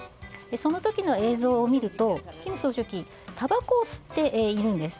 その時の映像を見ると金総書記たばこを吸っているんです。